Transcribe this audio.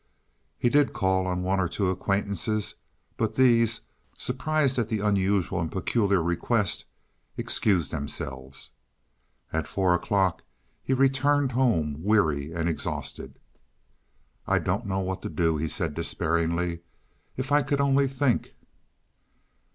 He did call on one or two acquaintances, but these, surprised at the unusual and peculiar request, excused themselves. At four o'clock he returned home, weary and exhausted. "I don't know what to do," he said despairingly. "If I could only think."